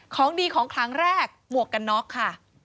ของดีของครั้งแรกหมวกกันน็อกค่ะ